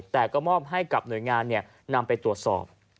แต่ก็มอบให้กับหน่วยงานนำไปตรวจสอบ